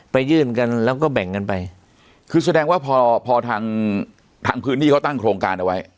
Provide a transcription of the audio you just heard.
ยื่นกันแล้วก็แบ่งกันไปคือแสดงว่าพอพอทางทางพื้นที่เขาตั้งโครงการเอาไว้